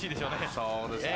そうですね。